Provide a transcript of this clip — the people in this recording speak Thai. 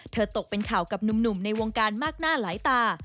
ตกเป็นข่าวกับหนุ่มในวงการมากหน้าหลายตา